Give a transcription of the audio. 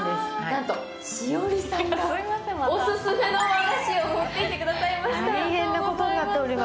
なんと栞里さんがオススメの和菓子を持ってきてくださいました。